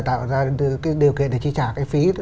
tạo ra điều kiện để chi trả cái phí